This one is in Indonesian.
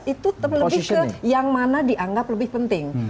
itu lebih ke yang mana dianggap lebih penting